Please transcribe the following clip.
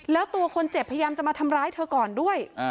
แล้วตัวคนเจ็บพยายามจะมาทำร้ายเธอก่อนด้วย